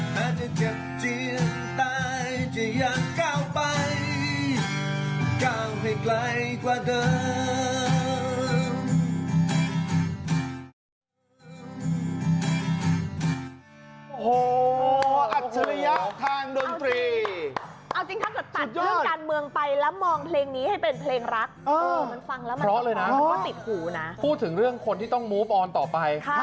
แม้จะเจ็บเจียนตายจะยังก้าวไป